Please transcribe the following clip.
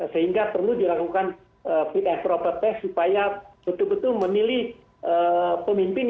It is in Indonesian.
sehingga perlu dilakukan propertek supaya betul betul menilih pemimpin